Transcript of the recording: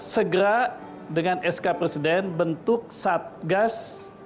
segera dengan sk presiden bentuk satgas